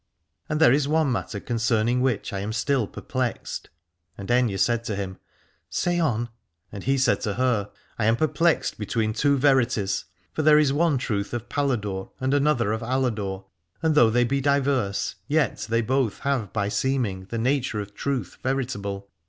And there is one matter concerning which I am still perplexed. And Aithne said to him : Say on. And he said to her : I am perplexed between two verities : for there is one truth of Paladore and another of Aladore, and though they be diverse yet they both have by seeming the nature of truth veritable.